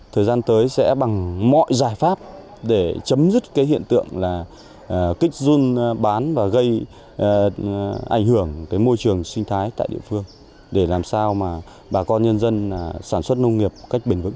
thời gian tới sẽ bằng mọi giải pháp để chấm dứt cái hiện tượng là kích run bán và gây ảnh hưởng đến môi trường sinh thái tại địa phương để làm sao mà bà con nhân dân sản xuất nông nghiệp một cách bền vững